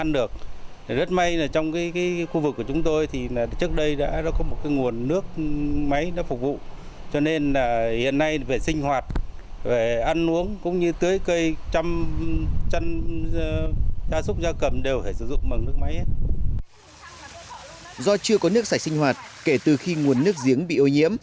do chưa có nước sạch sinh hoạt kể từ khi nguồn nước giếng bị ô nhiễm